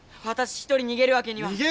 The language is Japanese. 私一人逃げるわけには。